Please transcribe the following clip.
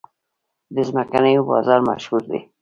د څمکنیو بازار مشهور دی